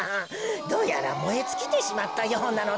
どうやらもえつきてしまったようなのだ。